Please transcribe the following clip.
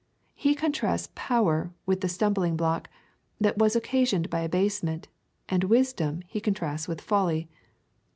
He contrasts power with the stutnhlinghlock, that was occasioned by abasement, and wis dom he contrasts with folly.